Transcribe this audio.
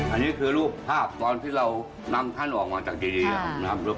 อันนี้คือรูปภาพตอนที่เรานำท่านออกมาจากดีนะครับ